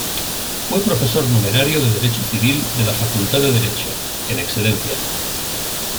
Fue profesor numerario de Derecho Civil de la Facultad de Derecho, en excedencia.